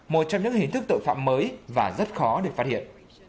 một trong những hình thức tội phạm mới và rất khó được phát hiện